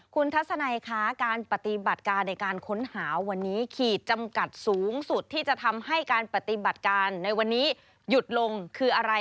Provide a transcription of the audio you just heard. คุณถสไนการปฏิบัติการในการค้นหาวันนี้ขีดจำกัดสูงสุดการปฏิบัติการในวันนี้หยุดลงคืออะไร